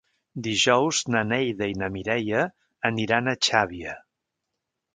Dijous na Neida i na Mireia aniran a Xàbia.